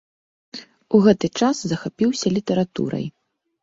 У гэты час захапіўся літаратурай.